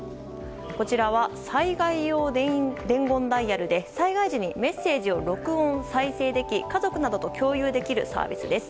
こちらは災害用伝言ダイヤルで災害時にメッセージを録音・再生でき家族などと共有できるサービスです。